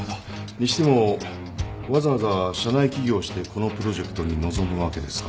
にしてもわざわざ社内起業してこのプロジェクトに臨むわけですか。